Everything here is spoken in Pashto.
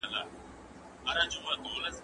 نو هغوی پرمختګ کوي.